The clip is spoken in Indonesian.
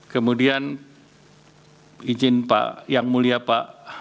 kemudian izin pak yang mulia pak